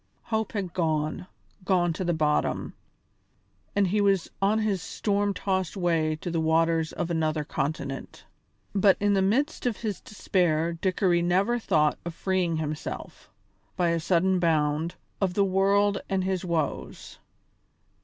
Hope had gone, gone to the bottom, and he was on his storm tossed way to the waters of another continent. But in the midst of his despair Dickory never thought of freeing himself, by a sudden bound, of the world and his woes.